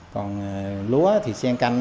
còn lúa thì sen canh